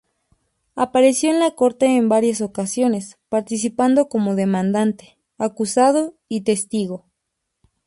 Apareció en la corte en varias ocasiones, participando como demandante, acusado y testigo.